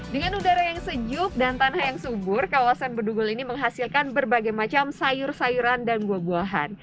dengan udara yang sejuk dan tanah yang subur kawasan bedugul ini menghasilkan berbagai macam sayur sayuran dan buah buahan